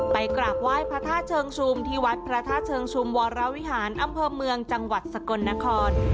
กราบไหว้พระธาตุเชิงชุมที่วัดพระธาตุเชิงชุมวรวิหารอำเภอเมืองจังหวัดสกลนคร